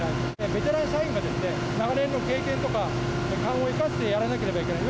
ベテラン社員が長年の経験とか、勘を生かしてやらなければいけない。